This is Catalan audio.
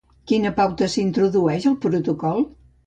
Quina pauta s'introdueix al protocol?